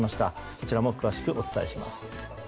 こちらも詳しくお伝えします。